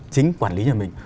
chính quản lý nhà mình